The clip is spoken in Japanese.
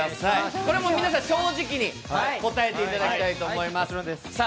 これも皆さん、正直に答えていただきたいと思いますので。